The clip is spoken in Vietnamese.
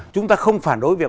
chúng ta không phản đối việc